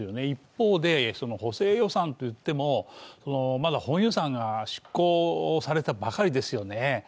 一方で補正予算といっても、まだ本予算が執行されたばかりですよね。